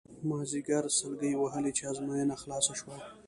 مازیګر سلګۍ وهلې چې ازموینه خلاصه شوه.